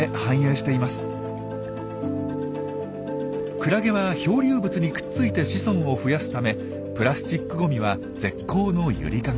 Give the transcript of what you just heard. クラゲは漂流物にくっついて子孫を増やすためプラスチックゴミは絶好の揺りかご。